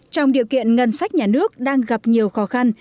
trong điều kiện ngân sách nhà nước đang gặp nhiều khó khăn